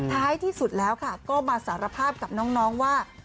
ท้ายที่สุดแล้วค่ะก็มาสารภาพกับน้องว่า